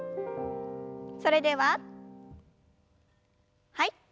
それでははい。